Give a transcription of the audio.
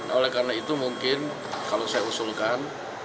oleh karena itu mungkin kalau saya usulkan